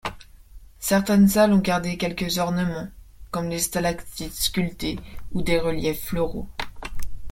Certaines salles ont gardé quelques ornements, comme des stalactites sculptées ou des reliefs floraux.